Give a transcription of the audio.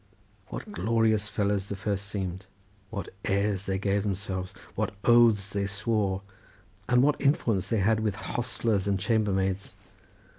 What glorious fellows the first seemed! What airs they gave themselves! What oaths they swore! and what influence they had with hostlers and chambermaids!